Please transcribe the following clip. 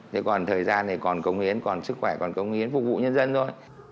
thế còn thời gian thì còn cống hiến còn sức khỏe còn cống hiến phục vụ nhân dân thôi